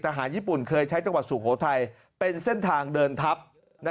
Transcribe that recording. ทหารญี่ปุ่นเคยใช้จังหวัดสุโขทัยเป็นเส้นทางเดินทัพ